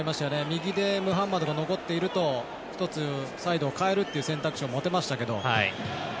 右でムハンマドが残っていると一つ、サイドを変えるっていう選択肢を持てましたけど。